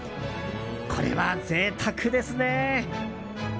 これは贅沢ですね。